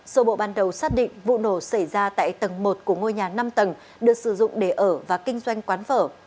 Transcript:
số bộ ban đầu xác định vụ nổ xảy ra tại tầng một của ngôi nhà năm tầng được sử dụng để ở và kinh doanh quán phở